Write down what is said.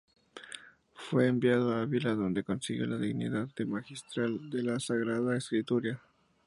Fue enviado a Ávila, donde consiguió la dignidad de Magistral de la Sagrada Escritura.